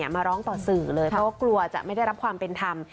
มาร้องต่อสื่อเลยเพราะว่ากลัวจะไม่ได้รับความเป็นธรรม